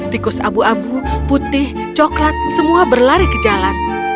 tikus abu abu putih coklat semua berlari ke jalan